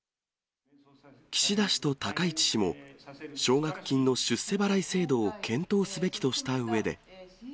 岸田氏と高市氏も、奨学金の出世払い制度を検討すべきとしたうえで。